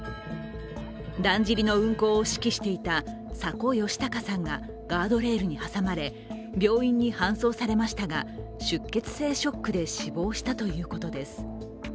だんじりの運行を指揮していた佐古吉隆さんがガードレールに挟まれ、病院に搬送されましたが、出血性ショックで死亡したということです。